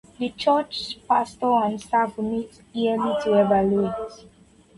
The church’s pastor and staff will meet yearly to evaluate.